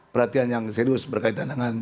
perhatian yang serius berkaitan dengan